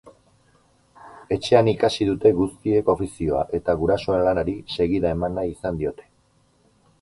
Etxean ikasi dute guztiek ofizioa eta gurasoen lanari segida eman nahi izan diote.